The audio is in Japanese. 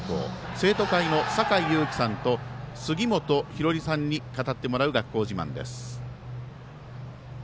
生徒会の酒井悠希さんと杉本敬琉さんに語ってもらう学校自慢です。